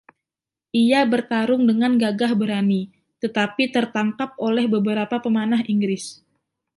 Ia bertarung dengan gagah berani, tetapi tertangkap oleh beberapa pemanah Inggris.